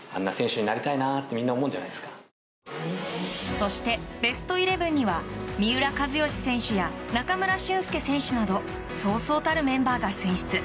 そしてベストイレブンには三浦知良選手や中村俊輔選手などそうそうたるメンバーが選出。